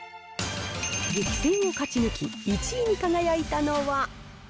激戦を勝ち抜き、１位に輝いたのは。